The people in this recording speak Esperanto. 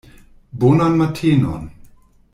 Bonan matenon!